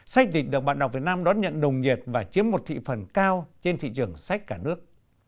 sách dịch được bạn đọc việt nam đón nhận nồng nhiệt và chiếm một thị phần cao trên thị trường sách cả nước